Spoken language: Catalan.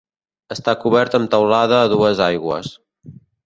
Està cobert amb teulada a dues aigües.